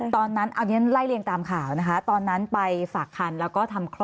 ตอนนั้นอันนี้ไล่เรียงตามข่าวนะคะตอนนั้นไปฝากคันแล้วก็ทำคลอด